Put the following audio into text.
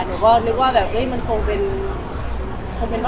หนูก็นึกว่าแบบมันคงเป็นวัฒนธจากหรือเปล่า